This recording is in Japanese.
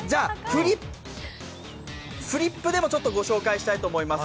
フリップでもご紹介したいと思います。